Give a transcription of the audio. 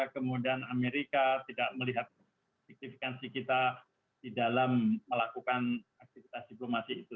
kemudian amerika tidak melihat signifikansi kita di dalam melakukan aktivitas diplomasi itu